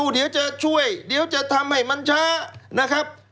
เดี๋ยวจะช่วยเดี๋ยวจะทำให้มันช้านะครับ